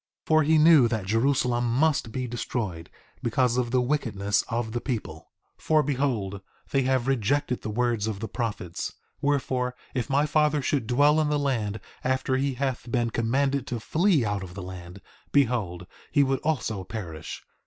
3:17 For he knew that Jerusalem must be destroyed, because of the wickedness of the people. 3:18 For behold, they have rejected the words of the prophets. Wherefore, if my father should dwell in the land after he hath been commanded to flee out of the land, behold, he would also perish.